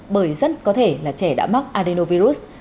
bởi rất có thể là trẻ đã mắc adenovirus